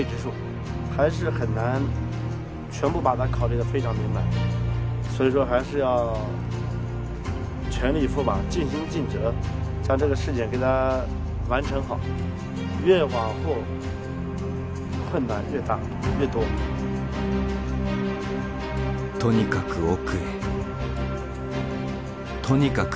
とにかく奥へとにかく奥へ。